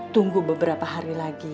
tunggu beberapa hari lagi